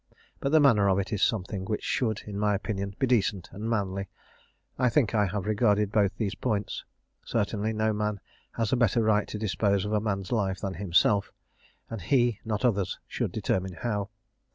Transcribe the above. But the manner of it is something which should, in my opinion, be decent and manly. I think I have regarded both these points. Certainly no man has a better right to dispose of a man's life than himself; and he, not others, should determine how.